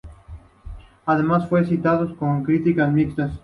Además fue recibido con críticas mixtas.